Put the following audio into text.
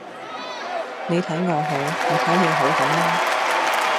你睇我好，我睇你好咁啦